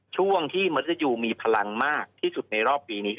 ช่วงที่มนุษยูมีพลังมากที่สุดในรอบปีนี้